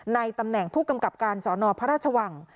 ในตำแหน่งผู้กำกับการสอนอพระราชวัง